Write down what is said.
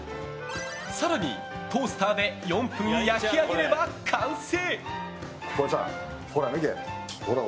更にトースターで４分焼き上げれば完成！